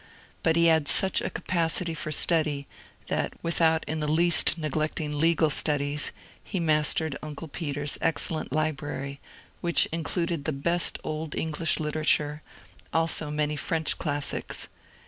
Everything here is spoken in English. But he had such a capacity for study that without in the least neglecting legal studies he mastered imde Peter's excellent library, which included the the best old English literature, also many French classics.